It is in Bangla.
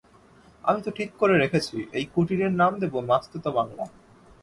আমি তো ঠিক করে রেখেছি, এই কুটিরের নাম দেব মাসতুতো বাংলা।